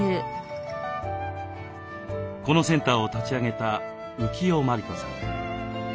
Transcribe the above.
このセンターを立ち上げた浮世満理子さん。